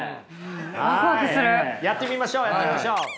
やってみましょうやってみましょう。